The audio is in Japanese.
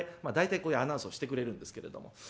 まあ大体こういうアナウンスをしてくれるんですけれども。